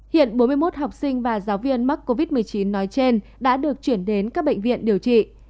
hiện bốn mươi một học sinh và giáo viên mắc covid một mươi chín nói trên đã được chuyển đến các bệnh viện điều trị